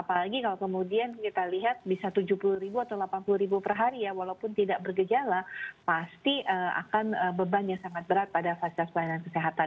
apalagi kalau kemudian kita lihat bisa tujuh puluh ribu atau delapan puluh ribu per hari ya walaupun tidak bergejala pasti akan bebannya sangat berat pada fasilitas pelayanan kesehatan